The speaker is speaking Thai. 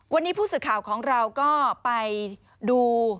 วันนี้ผู้สื่อข่าวของเราก็ไปดู